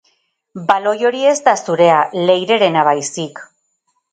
Baloi hori ez da zurea, Leirerena baizik.